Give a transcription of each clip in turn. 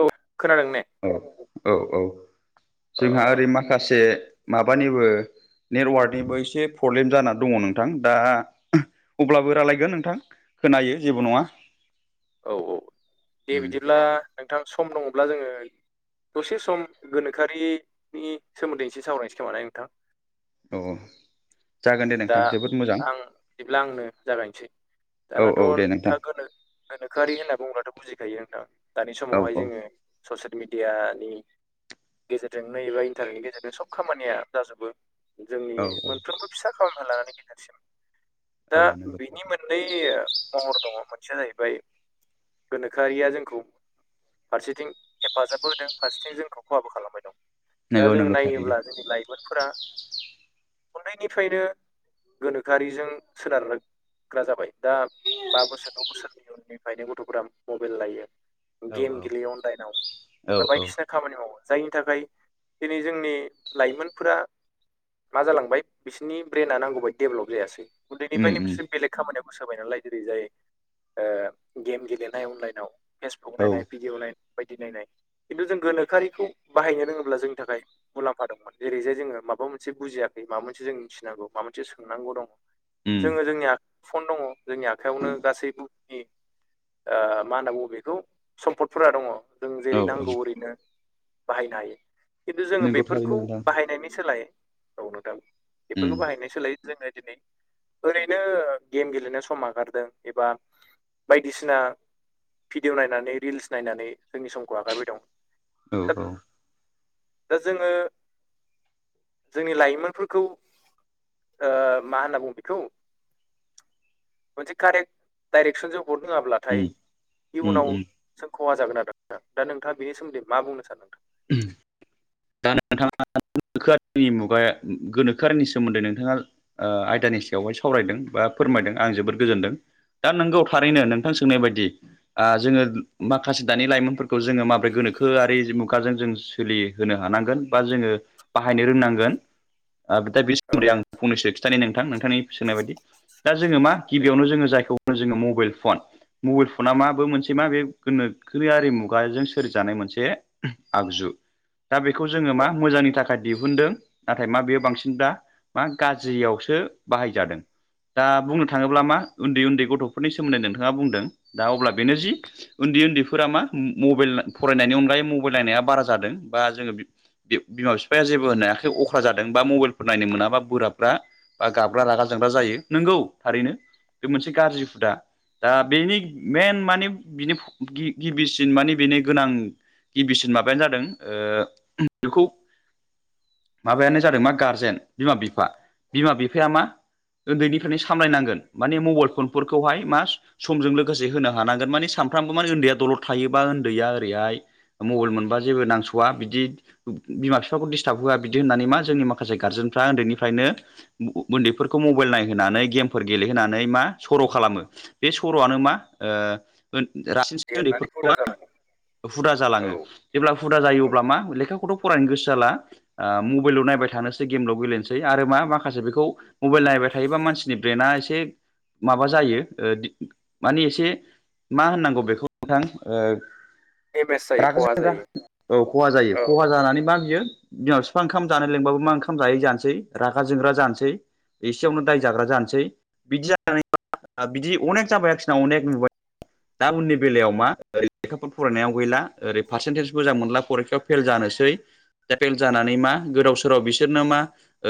औ खोनादों ने। औ औ औ ओ जोंहा ओरै माखासे माबानिबो नेटवार्कनिबो एसे प्रब्लेम जानानै दङ नोंथां दा अब्लाबो रायलायगोन नोंथां। खोनायो जेबो नङा। औ औ दे उम बिदिब्ला नोंथां सम दङब्ला जोङो। दसे सम गोनोखोआरिनि नि सोमोन्दै एसे सावरायनोसै खोमा ने नोंथां। औ औ। जागोन दे दा नोंथां जोबोद मोजां आं बिदिब्ला आंनो जागायनोसै। औ दानाथ' औ दे नोंथां थागोनो गोनोखोआरि होनना बुंङोबथ' बुजिखायो नोंथां दानि औ समावहाय औ जोङो ससियेल मिडिया नि। गेजेरजों नै एबा इन्टारनेटनि गेजेरजों सब खामानिया जाजोबो। जोंनि औ मोनफ्रोमबो फिसा खामानिफ्राय लानानै गिदेरसिम। दा औ नंगौ बिनि मोननै महर दङ मोनसेया जाहै बाय गोनोखोआरिया जोंखौ। फारसेथिं हेफाजाबबो होदों फारसेथिं जोंखौ खहाबो खालामबाय दं। नंगौ दाजों नंगौ थारैनो नायोब्ला जोंनि लाइमोनफोरा उन्दैनिफ्रायनो गोनोखोआरिजों सोनारो। ग्रा जाबाय दा बा बोसोर द' बोसोरनि उननिफ्रायनो गथ'फोरा मबाइल लायो। औ गेम औ गेलेयो अनलाइनाव औ बा औ बायदिसिना खामानि मावो जायनि थाखाय दिनै जोंनि लाइमोनफोरा मा जालांबाय बिसिनि ब्रेना नांगौबादि डेभलप जायासै। उम उन्दैनिफ्रायनो उम बिसोर बेलेग खामानियाव गोसो होबाय नालाय जेरै जायो। ओ गेम गेलेनाय अनलाइनाव फेसबुक औ नायनाय भिडिअ नाय बायदि नायनाय। खिन्थु जों गोनोखोआरिखौ बाहायनो रोङोब्ला जोंनि थाखाय मुलाम्फा दंमोन जेरैहाय जोङो माबा मोनसे बुजियाखै माबा मोनसे जों मिथिनांगौ माबा मोनसे सोंनांगौ दं। उम जोङो जोंनि आख फन दं जोंनि आखाइयावनो गासैबो, ओ मा होनना बुङो बेखौ सम्फदफोरा दङ'। जों औ जेरै औ नांगौ ओरैनो बाहायनो हायो। खिन्थु जोङो नंगौ थारैनो बेफोरखौ नोंथां बाहायनायनि सोलाय औ नोंथां बेफोरखौ उम बाहायनाय। सोलायै जोङो दिनै ओरैनो गेम गेलेनो सम आगारदों एबा बायदिसिना भिडिअ' नायनानै रिल्स नायनानै जोंनि समखौ आगारबाय दं। औ दा औ दा जोङो जोंनि लाइमोनफोरखौ ओ मा होनना बुङो बेखौ मोनसे कारेक्ट डाइरेक्सनजों हरनो रोङाब्लाथाय उम उम इयुनाव उम सों खहा जागोन आरो नोंथां दा नोंथाङा बेनि सोमोन्दै मा बुंनो सानदों? दा नोंथाङा गोनोखोआरि मुगा गोनोखोआरनि सोमोन्दै नोंथाङा ओ आयदानि सायावहाय सावरायदों बा फोरमायदों आं जोबोद गोजोनदों। दा नोंगौ थारैनो नोंथां सोंनाय बायदि ओ जोङो माखासे दानि लाइमोनफोर खौ जोङो माबोरै गोनोआरि जों सोलिहोनो हानांगोन बा जोङो बाहायनो रोंनांगोन। दा बिनि औ समोन्दै आं फंनैसो खिन्थानि नोंथां नोंथांनि सोंनाय बायदि दा जोङो मा दे गिबियावनो जोङो जायखौ होनो जोङो मबाइल फन मबाइल फना माबो मोनसे मा बे गोनोखो आरि मुगाजों सोरजानाय मोनसे आगजु दा बेखौ जोङो औ मा मोजांनि थाखाय दिहुनदों नाथाय मा बेयो बांसिन दा मा गाज्रियावसो बाहायजादों। दा बुंनो थाङोब्ला मा उन्दै उन्दै गथ'फोरनि सोमोन्दै नोंथाङा बुंदों दा अब्ला बेनो जि ओन्दै ओन्दैफोरा मा मबाइल फरायनायनि अनगायै मबाइल नायनाया बारा जादों बा जोङो बे बिफ बिमा बिफाया जेबो होननाय है अख्रा जादों बा मबाइलफोर नायनो मोनाबा बोराबगा बा गाब्रा रागा जोंग्रा जायो नंगौ थारैनो बे मोनसे गाज्रि हुदा। दा बेनि मेन माने बिनि गिबिसिन माने बेनो गोनां गिबिसिन माबायानो जादों ओ बेखौ माबायानो जादों मा गारजेन बिमा बिफा बिमा बिफाया मा ओन्दैनिफ्रायनो सामलायनांगोन माने मबाइल फनफोरखौहाय मा समजों लोगोसे होनो हानांगोन माने सानफ्रामबो माने ओन्दैया दलर थायोबा ओन्दैया ओरैहाय मबाइल मोनबा जेबो नांस'वा बिदि बिमा बिफाखौ डिस्टार्ब होआ बिदि होननानै मा जोंनि माखासे गारजेनफ्रा ओन्दैनिफ्रायनो ओन्दैफोरखौ मबाइल नायहोनानै गेमफोर गेलेहोनानै मा सर' खालामो। बे सर'आनो मा रासिन देरनानै उन्दैफोर [unintelligible] हुदा मा जालाङो हुदा औ जालाङो। जेब्ला हुदा जायो औ अब्ला मा लेखाखौथ' फरायनो गोसो जाला ओ मबाइलाव नायबाय थानोसै गेमल' गेलेनोसै आरो मा माखासे बेखौ मबाइल नायबाय थायोबा मानसिनि ब्रेनाआ एसे माबा जायो दि ओ माने एसे मा होननांगौ बेखौ नोंथां ओ देमेज जायो रागा खहा जायो। औ खहा जायो औ खहा जानानै मा बियो बिमा बिफा ओंखाम जानो लेंबाबो मा ओंखाम जायै जानसै रागा जोंग्रा जानसै। एसेयावनो दाय जाग्रा जानसै बिदि जा [unintelligible] बिदि अनेक जाबाय आरोखिना अनेक नुबाय दा उननि बेलायाव मा ओरै लेखाफोर फरायनायाव गैला ओरै पारसेन्टेज मोजां मोनला फरिखायाव फेल जानोसै दा फेल जानानै मा गोदाव सोराव बिसोरनो मा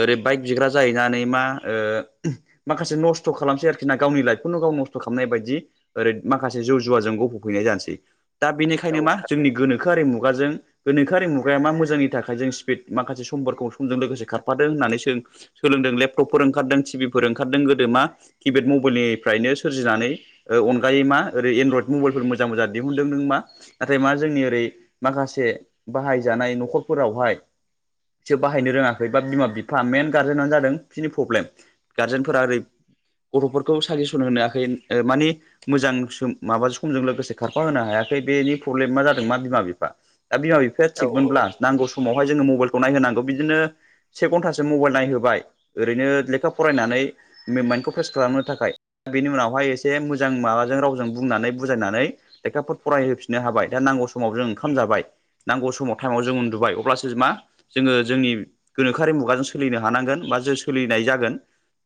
ओरै बाइक बिग्रा जाहैनानै मा ओ माखासे नस्थ खालामसै आरोखि ना गावनि लाइफखौनो गाव नस्थ खालामनाय बायदि ओरै माखासे जौ जुवाजों गफबफैनाय जानोसै दा बेनिखायनो औ मा थार जोंनि गोनोखोआरि मुगाजों गोनोखोरं मुगाया मा मोजांनि थाखाय जों स्पिड माखासे समफोरखौ समजों लोगोसे खारफादों होननानै जों सोलोंदों लेपटपफोर ओंखारदों टिभिफोर ओंखारदों गोदो मा किपेड मबाइलनिफ्रायनो सोरजिनानै अनगायै मा ओरै एनड्रयद मबाइलफोर मोजां मोजां दिहुनदों नों मा नाथाय मा जोंनि रै माखासे बाहायजानाय नखरफोरावहाय बिसोर बाहायनो रोङाखै बा बिमा बिफा मेन गारजेनानो जादों बिनि प्रब्लेम गारजेनफोरा ओरै गथफोरखौ साजेसन होनो हायाखै मानि मोजां माबा समजों लोगोसे खारफााहोनो हायाखै बेनि प्रब्लेमा जादों दा बिमा बिफा दा बिमा बिफाया औ थिगमोनब्ला नांगौ समावहाय जोङो मबाइलखौ नायहांगौ बिदिनो से घन्टासो मबाइल नायहोबाय ओरैनो लेखा फरायनानै माइन्डखौ फ्रेस खालामनो थाखाय दा बेनि उनावहाय एसे मोजां माबाजों रावजों बुंनानै बुजायनानै लेखाफोर फरायहैफिननो दा नांगौ समाव ओंखाम जाबाय नांगौ समाव टाइमाव जों उन्दुबाय अब्लासो जों मा जोङो जोंनि गोनोखोआरि मुगाजों सोलिनो हानांगोन बा जे सोलिनाय जागोन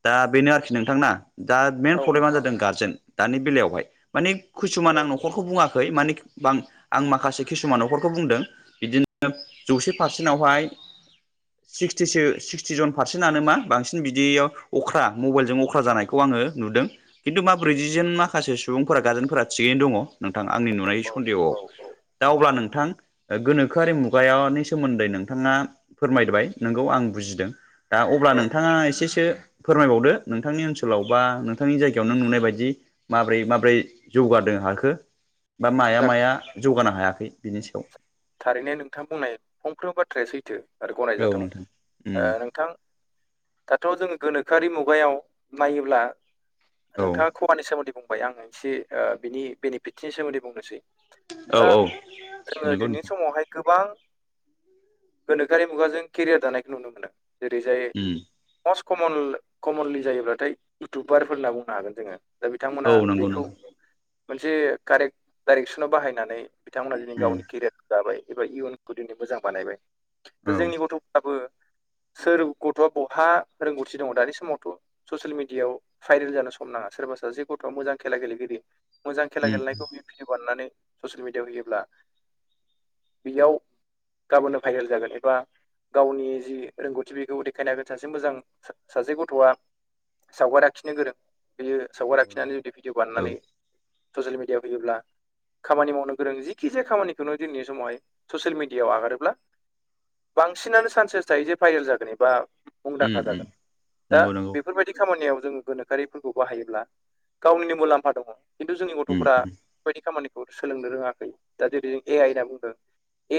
दा बेनो आरोखि नोंथांना दा मेन औ प्रब्लेमानो नोंथां जादों गार्जेन दानि बेलायावहाय मानि किसुमान औ आं नखरखौ बुङाखै हैै माने बां आं माखासे किसुमान नखरखौ बुंदों बिदिनो जौसे पारसेन्टावहाय सिक्सटिसो सिक्सटिजन पारसेन्टानो मा बांसिन बिदियाव अख्रा मबाइलजों अख्रा जानायखौ आङो नुदों खिन्थु मा ब्रैजिजोन माखासे सुबुंफोरा गारजेनफोरा थिगैनो दङ नोंथां आंनि नुनाय औ सन्देहआव औ औ दा अब्ला नोंथां गोनोखोआरि मुगानि सोमोन्दै नोंथाङा फोरमायबाय नोंगौ आं बुजिदों दा अब्ला औ नोंथाङा एसेसो फोरमायबावदो नोंथांनि ओनसोलाव बा नोंथांनि जायगायाव नों नुनाय बायदि माब्रै माबोरै जौगादों हाखो बा माया जा माया जौगानो हायाखै बिनि सायाव थारैनो नोंथां बुंनाय फंफ्रोमबो बाथ्राया सैथो आरो औ गनायजाथाव नोंथां ओ उम नोंथां दाथ जों गोनोखोआरि मुगायाव नायोब्ला औ नोंथाङा खब मानि सोमोन्दै बुंबाय आङो एसे बिनि बेनिफिटनि सोमोन्दै बुंनोसै दा औ औ जोङो नंगौ दिनैनि समावहाय गोबां गोनोखोआरि मुगाजों केरियार दानायखौ नुनो मोनो जेरै जाय उम मस्ट कम कमनलि जायोब्लाथाय इउटुबारफोर होनना बुंनो हागोन जोङो दा बिथांमोना औ नंगौ बेखौ नंगौ मोनसे कारेक्ट डाइरेक्सनाव बाहायनानै बिथांमोना दिनै उम गावनि केरियारखौ दाबाय एबा इयुनखौ दिनै मोजां बानायबाय दा औ उम जोंनि गथ सोर गथआ बहा रोंगथि दङ दानि समावथ ससियेल मिडियाआव भाइरेल जानो सम नाङा सोरबा सासे गथ'आ मोजां खेला गेलेगिरि मोजां खेला नंगौ गेलनायखौ बे भिडिअ बानायनानै ससियेल मिडियाआव होयोब्ला बेयाव गाबोननो फाभाइरेल जागोन एबा गावनि जि रोंगौथि बेखौ देखायनो हागोन सासे मोजां सासे गथआ सावगारि आखिनो गोरों बेयो सावगारि नंगौ आखिनानै जुदि औ बानायनानै ससियेल मिडियाआव फैयोब्ला खामानि मावनो गोरों जिखि जाया खामानि खुनु दिननि समावहाय ससियेल मिडियाव आगारोब्ला बांसिनानो चान्सेस थायो जे भाइरेल जागोन एबा उम मुंदांखा जागोन उम दा नंगौ नंगौ बेफोरबायदि खामानियाव जों गोनोखोआरिफोरखौ बाहायोब्ला गावनिनो मुलाम्फा दङ खिन्थु जोंनि उम गथफ्रा बेबायदि सोलोंनो रोङाखै दा जेरै जों ए आइ होनना बुंदों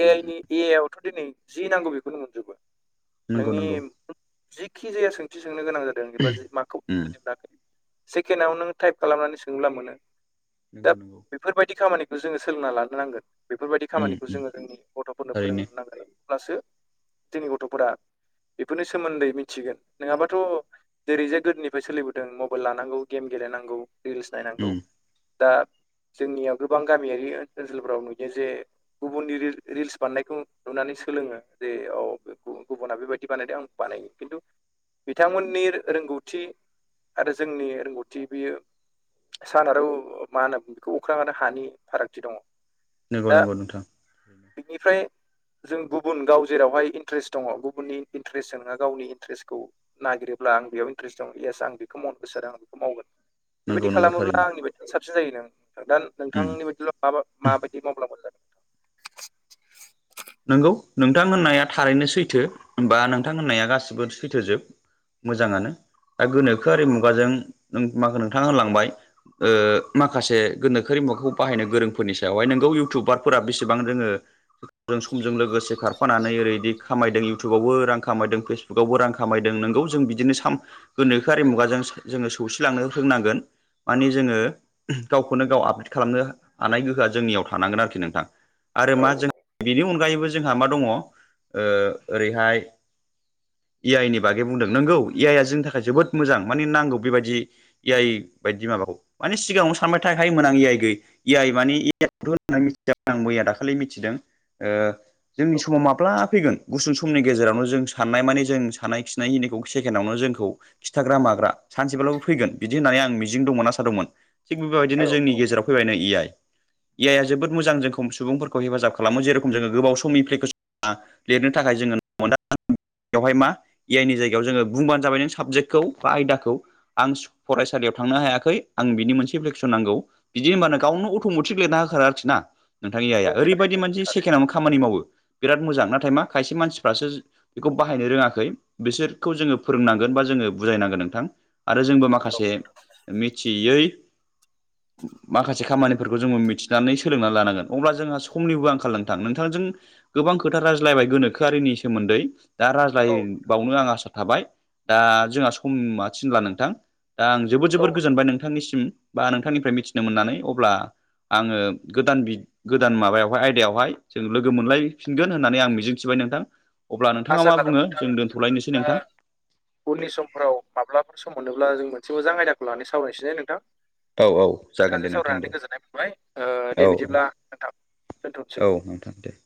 ए उम नि ए आइ आवथ' दिनै जि नांगौ बेखौनो मोनजोबगोन नंगौ नोंनि नंगौ जिखि जाया सोंथि सोंनो गोनां जादों एबा जि माखौ उम बुजिमोनाखै सेकेनावनो नों टाइप खालामनानै सोङोब्ला मोनो। नोंगौ नोंगौ इफोरबायदि खामानिखौ जोङो सोलोंना लानो नांगोन बेफोरबायदि उम खामानिखौ उम जोङो जोंनि गथ'फोरनो थारैनो फोरोंनो नांगोन। अब्लासो जोंनि गथ'फोरा बेफोरनि सोमोन्दै मिथिगोन नोङाबाथ' जेरै जे गोदोनिफ्राय सोलिबोदों मबेल लानांगौ गेम गेलेनांगौ रिल्स उम नायनांगौ दा जोंनियाव गोबां गामियारि ओनसोलफोराव नुयो जे गुबुननि रि रिल्स बानायनायखौ नुनानै सोलोङो जे औ बेखौ गुबुना‌‌ बेखौ बेबायदि बानायदों आं बानायनि किन्थु बिथांमोननि रोंगौथि आरो जोंनि रोंगौथि बेयो सान आरो मा होनो बेखौ अख्रां आरो हानि फारागथि दङ। नोंगौ दा नोंगौ नोंथां। बिनिफ्राय जों गुबुन गाव जेरावहाय इन्ट्रेस्ट दङ गुबुननि इन्ट्रेस्टजों नङा गावनि इन्ट्रेस्टखौ नागिरोब्ला आं बेयाव इन्टारेस् दं इयस आं बेखौ मावनो गोसो जादों आं बेखौ मावगोन। नंगौ बेबायदि नंगौ खालामोब्ला थारैनो आंनि बायदि साबसिन जायो दां नोंथां उम नोंथांनि बायदिब्ला मा माबायदि माब्ला मोजां नोंगौ नोंथांहोननाया थारैनो सैथो होमबा नोंथां होननाया गासैबो सैथो जोब। मोजाङानो दा गोनोखोआरि मुगाजों ओं मा नोंथांङा होलांबाय ओ माखासे गोनोखोरि मुगाखौ बाहायनो गोरोंफोरनि सायावहाय नोंगौ इउटुबारफोरा बेसेबां जोंङो जों समजों लोगोसे खारफानानै ओरैदि खामायदों इउटुबावबो रां खामायदों फेसबुकआवबो रां खामायदों नोंगौ जों बिदिनो साम गोनोखोआरि मुगाजों जोंङो सौसिलांनो रोंनांगोन। माने जोंङो गावखौनो गाव आपडेट खालामनो हानाय गोहोआ जोंनियाव थानांगोन आरोखि नोंथां आरो औ मा जों बेनि अनगायैबो जोंहा मा दङ ओ ओरैहाय इ आइ नि बागै बुंदों नोंगौ इ आइ आ जोंनि थाखाय जोबोद मोजां माने नांगौ बेबायदि इ आइ बायदि माबाखौ माने सिगांङावनो सानबाय थाखायोमोन आं इ आइ गैय इ आइ माने [inaudible] मिथिदों आं मैया दाखालि मिथिदों ओ जोंनि समाव औ माब्ला फैगोन गुसुं समनि गेजेरावनो जों साननाय माने जों सानाय खिनाय खिनिखौ सेकेनावनो जोंखौ खिथाग्रा माग्रा सानसेब्लाबो फैगोन बिदि होननानै आं मिजिं दंमोन आसा दोंमोन। थिग बेबायदिनो जोंनि औ गेजेराव फैबायनै इ आइ इ आइ आ जोबोद मोजां जोंखौ सुबुंफोरखौ हेफाजाब खा खालामो जेरखम जोंङो गोबाव सम एप्लिकेसना लिरनो थाखाय जोंङो मोन बेवहाय मा इ आइ नि जायगायाव जोंङो बुंबानो जाबाय नों साबजेक्टखौ बा आयदाखौ आं इस फरायसालियाव थांनो हायाखै आं बिनि मोनसे एपलिकेसन नांगौ। बिदि होमब्लानो गावनो अट'मटिक लिरना होखार आरो खि ना नोंथां ए आइ आ औ थारैनो ओरैबायदि मोनसे सेकेनआवनो खामानि माव मावो बिराद मोजां नाथाय मा खायसे मानसिफोराजो बेखौ बाहायनो रोंङाखै बिसोरखौ जोंङो फोरोंनांगोन बा जोंङो बुजायनांगोन नोंथां। आरो जोंबो माखासे मिथियै माखासे खामानिफोरखौ जोंङो मिथिनानै सोलोंनानै लानांगोन अब्ला जोंहा समनिबो आं खाल नोंथां नोंथांजों गोबां खोथा रायज्लायबाय गोनोखोआरिनि सोमोन्दै दा थारैनो औ राज्लायबावनो आंआ आसा थाबाय दा जोंहा समा थिनला नोंथां। दा आं जोबोद औ जोबोर गोजोनबाय नोंथांनिसिम बा नोंथांनिफ्राय मिथिनो मोननानै अब्ला आंङो गोदान बि गोदान माबायावहाय आयदायाव हाय जों लोगो मोनलायफिनगोन होननानै आं मिजिंथिबाय नोंथां। अब्ला नोंथांङा आसा मा खालामो बुंङो जों नोंथां दोनथ'लायनोसै दा नोंथां। उननि समफोराव माब्लाफोर सम मोनोब्ला जों मोनसे मोजां आयदाखौ लानानै सावरायनोसै दे नोंथां। औ औ। जागोन नोंथांजों दे नोंथां दे सावरायनानै गोजोननाय मोनबाय ओ दे औ बिदिब्ला नोंथां। दोनथ'नोसै औ नोंथां दे।